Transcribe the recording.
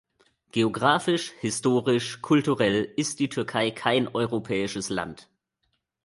Geografisch, historisch, kulturell ist die Türkei kein europäisches Land.